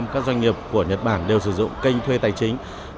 chín mươi sáu các doanh nghiệp của nhật bản đều sử dụng kênh thuê tài chính